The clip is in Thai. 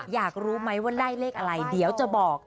อยากรู้ไหมว่าได้เลขอะไรเดี๋ยวจะบอก